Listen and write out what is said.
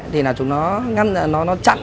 thì chúng nó chặn